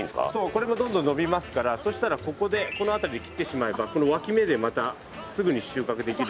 これもどんどん伸びますからそしたらここでこの辺りで切ってしまえばこのわき芽でまたすぐに収穫できる。